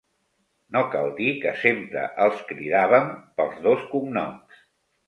No cal dir que sempre els cridàvem pels dos cognoms.